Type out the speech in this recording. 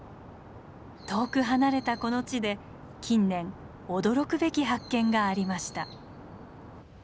遠く離れたこの地で近年驚くべき発見がありました。